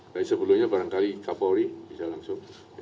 dari sebelumnya barangkali kapolri bisa langsung